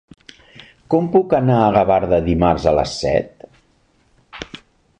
Com puc anar a Gavarda dimarts a les set?